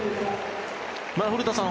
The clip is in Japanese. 古田さん